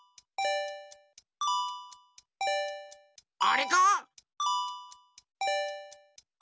あれか？